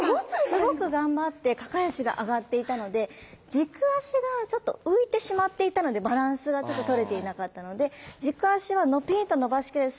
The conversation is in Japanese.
すごく頑張って抱え足が上がっていたので軸足がちょっと浮いてしまっていたのでバランスが取れていなかったので軸足はピンと伸ばしきらない。